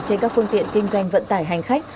trên các phương tiện kinh doanh vận tải hành khách